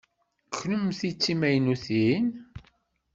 Kennemti d timaynutin?